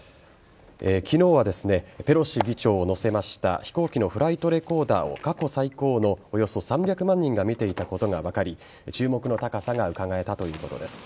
昨日はペロシ議長を乗せました飛行機のフライトレコーダーを過去最高のおよそ３００万人が見ていたことが分かり注目の高さがうかがえたということです。